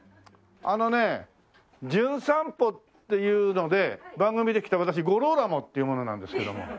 あのね『じゅん散歩』っていうので番組で来た私ゴローラモっていう者なんですけども。